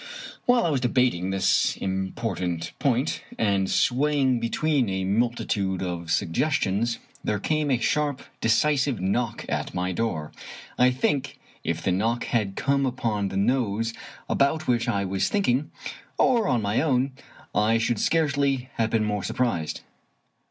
While I was debating this important point, and sway ing between a multitude of suggestions, there came a sharp, decisive knock at my door. I think, if the knock had come upon the nose about which I was thinking, or on my own, I should scarcely have been more surprised.